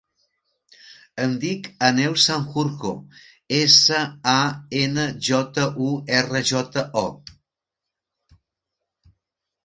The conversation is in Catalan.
Em dic Aneu Sanjurjo: essa, a, ena, jota, u, erra, jota, o.